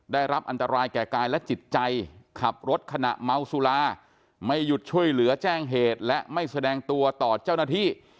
ได้รับอันตรายแก่กายและจิตใจขับรถขณะเมาสุราไม่หยุดช่วยเหลือแจ้งเหตุและไม่แสดงตัวต่อเจ้าหน้าที่